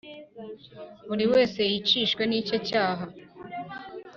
Buri wese yicishwe n’ icye cyaha.